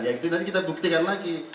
ya itu tadi kita buktikan lagi